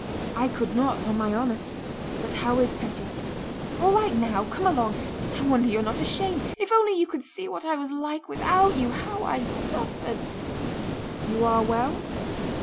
"I could not, on my honor. But how is Pétya?" "All right now. Come along! I wonder you're not ashamed! If only you could see what I was like without you, how I suffered!" "You are well?"